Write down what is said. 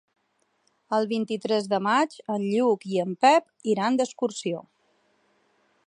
El vint-i-tres de maig en Lluc i en Pep iran d'excursió.